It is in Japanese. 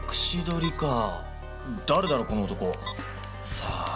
さあ？